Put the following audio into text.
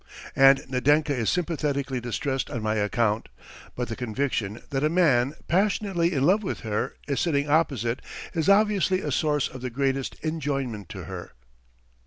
And Nadenka is sympathetically distressed on my account, but the conviction that a man passionately in love with her is sitting opposite is obviously a source of the greatest enjoyment to her.